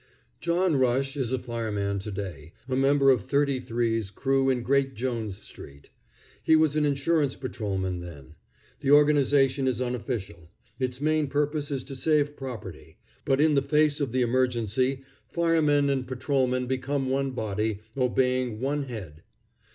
John Rush is a fireman to day, a member of "Thirty three's" crew in Great Jones street. He was an insurance patrolman then. The organization is unofficial. Its main purpose is to save property; but in the face of the emergency firemen and patrolmen become one body, obeying one head.